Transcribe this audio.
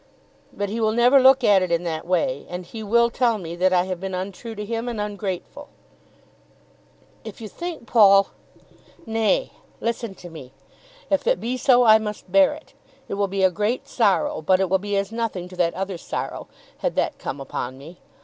"But he will never look at it in that way; and he will tell me that I have been untrue to him and ungrateful." "If you think, Paul " "Nay; listen to me. If it be so I must bear it. It will be a great sorrow, but it will be as nothing to that other sorrow, had that come upon me.